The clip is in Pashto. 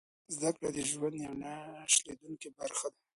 زده کړه د ژوند یوه نه شلېدونکې برخه ده.